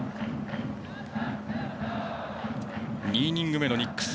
２イニング目のニックス。